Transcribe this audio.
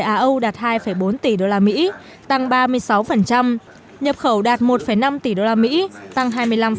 á âu đạt hai bốn tỷ đô la mỹ tăng ba mươi sáu nhập khẩu đạt một năm tỷ đô la mỹ tăng hai mươi năm